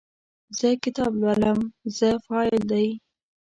زه کتاب لولم – "زه" فاعل دی.